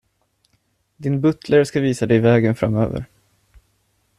Din butler ska visa dig vägen framöver.